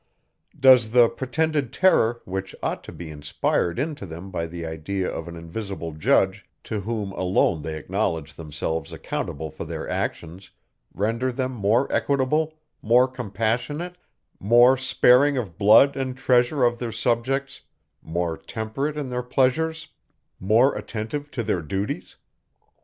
Does the pretended terror, which ought to be inspired into them by the idea of an invisible judge, to whom alone they acknowledge themselves accountable for their actions, render them more equitable, more compassionate, more sparing of blood and treasure of their subjects, more temperate in their pleasures, more attentive to their duties?